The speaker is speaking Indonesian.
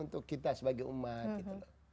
untuk kita sebagai umat gitu loh